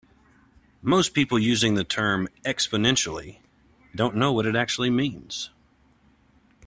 Most people using the term "exponentially" don't know what it actually means.